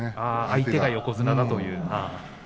相手が横綱だという。